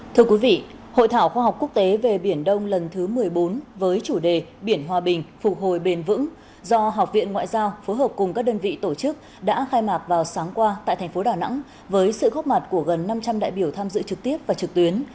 thưa quý vị hội thảo khoa học quốc tế về biển đông lần thứ một mươi bốn với chủ đề biển hòa bình phục hồi bền vững do học viện ngoại giao phối hợp cùng các đơn vị tổ chức đã khai mạc vào sáng qua tại thành phố đà nẵng với sự góp mặt của gần năm trăm linh đại biểu tham dự trực tiếp và trực tuyến